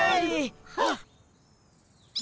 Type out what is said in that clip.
ハッ。